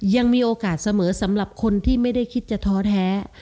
ยังมีโอกาสเสมอสำหรับคนที่ไม่ได้คิดจะท้อแท้